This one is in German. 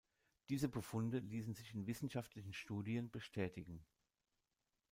Diese Befunde ließen sich in wissenschaftlichen Studien bestätigen.